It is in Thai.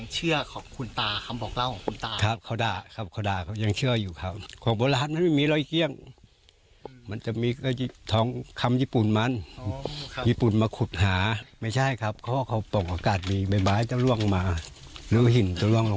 จะไม่สามารถเก็บน้ำได้น้ำก็ไหลออกไปที่อื่นได้